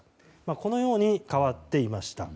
このように変わっていました。